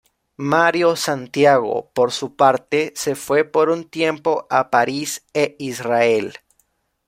Mario Santiago, por su parte, se fue por un tiempo a París e Israel.